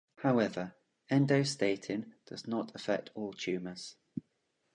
However, endostatin does not affect all tumors.